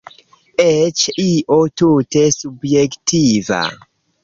Eĉ io tute subjektiva.